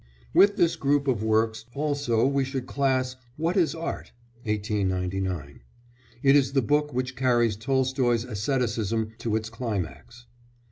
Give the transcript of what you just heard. With this group of works also we should class What is Art? 1899. It is the book which carries Tolstoy's asceticism to its climax.